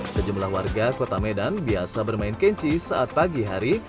sejumlah warga kota medan biasa bermain kenchi saat pagi hari